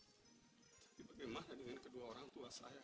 tapi bagaimana dengan kedua orang tua saya